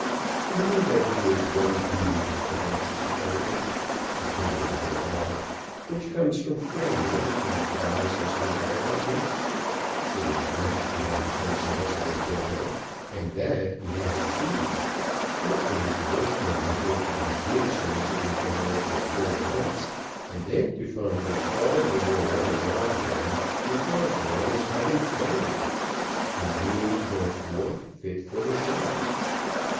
He knew that he was one doomed to that disappointment, the bitterest of all, which comes from failure when the prize has been all but reached. It is much to have become Solicitor General, and that he had achieved; but it is worse than nothing to have been Solicitor General for four months, and then to find that all the world around one regards one as having failed, and as being, therefore, fit for the shelf.